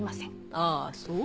あぁそう。